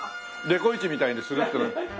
デコイチみたいにするっていうの。